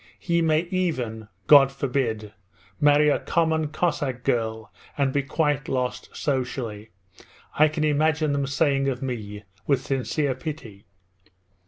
"He may even (God forbid) marry a common Cossack girl, and be quite lost socially" I can imagine them saying of me with sincere pity!